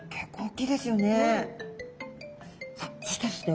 さあそしてですね